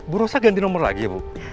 bu rosa ganti nomor lagi ya bu